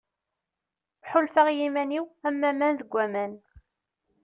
Ḥulfaɣ i yiman-iw am waman deg waman.